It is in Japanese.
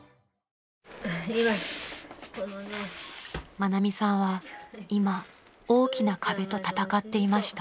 ［愛美さんは今大きな壁と闘っていました］